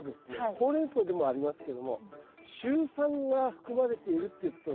ホウレンソウでもありますけどもシュウ酸が含まれているっていうことなんですよね。